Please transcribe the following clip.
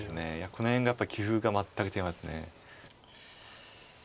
この辺やっぱり棋風が全く違います。